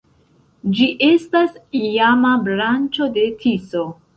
Ĝi estas iama branĉo de Tiso.